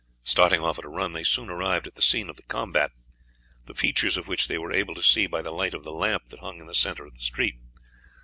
Starting off at a run, they soon arrived at the scene of combat, the features of which they were able to see by the light of the lamp that hung in the centre of the street.